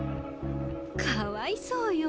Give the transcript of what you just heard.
かわいそうよ